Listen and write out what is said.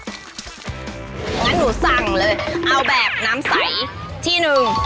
งั้นหนูสั่งเลยเอาแบบน้ำใสที่หนึ่ง